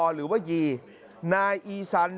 หรือว่ายีนายอีซัน